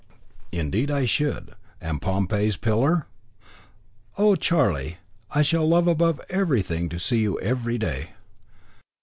"Indeed I should." "And Pompey's Pillar?" "Oh, Charlie! I shall love above everything to see you every day."